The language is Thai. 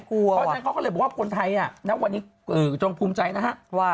เขาก็เลยบอกว่ากลไทยวันนี้จงภูมิใจนะฮะ